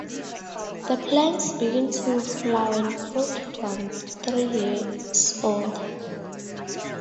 The plants begin to flower and fruit from three years old.